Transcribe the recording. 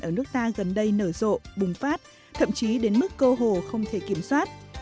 ở nước ta gần đây nở rộ bùng phát thậm chí đến mức cơ hồ không thể kiểm soát